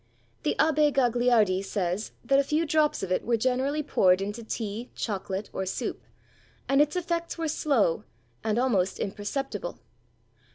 The Abbé Gagliardi says, that a few drops of it were generally poured into tea, chocolate, or soup, and its effects were slow, and almost imperceptible.